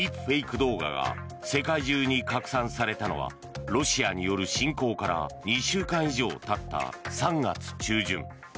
動画が世界中に拡散されたのはロシアによる侵攻から２週間以上経った３月中旬。